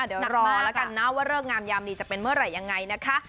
เดี๋ยวรอแล้วกันนะว่าเลิกงามยามดีจะเป็นเมื่อไหร่ยังไงนะคะ